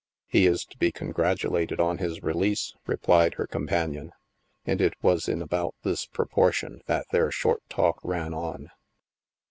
" He is to be congratulated on his release/' re plied her companion. And it was in about this pro portion that their short talk ran on.